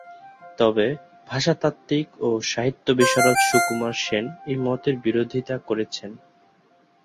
তবে, ভাষাতাত্ত্বিক ও সাহিত্য বিশারদ সুকুমার সেন এই মতের বিরোধীতা করেছেন।